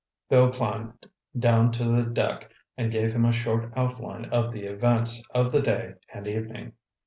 Bill climbed down to the deck and gave him a short outline of the events of the day and evening.